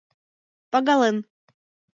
Пагален